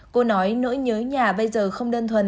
cô nói nỗi nhớ nhà bây giờ không đơn thuần